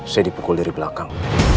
saya dipukul dari belakang